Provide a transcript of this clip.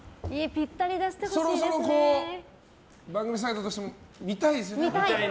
そろそろ番組サイドとしても見たいですよね。